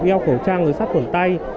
eo khẩu trang rồi sắp khuẩn tay